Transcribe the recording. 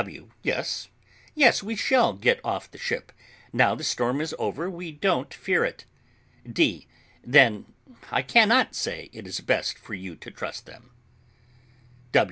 W. Yes, yes, we shall get off the ship; now the storm is over we don't fear it. D. Then I cannot say it is best for you to trust them.